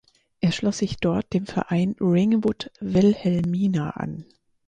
Er schloss sich dort dem Verein Ringwood Wilhelmina an.